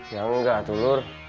ya enggak tuh lur